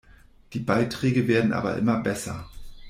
Die Beiträge werden aber immer besser.